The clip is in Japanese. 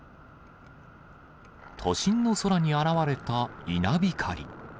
都心の空に現れた稲光。